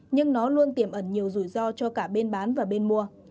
nhưng nó luôn tiềm ẩn nhiều rủi ro cho cả bên bán và bên mua